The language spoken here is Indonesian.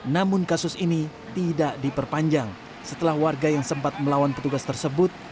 namun kasus ini tidak diperpanjang setelah warga yang sempat melawan petugas tersebut